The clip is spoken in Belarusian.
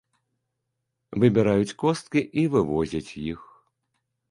Выбіраюць косткі і вывозяць іх.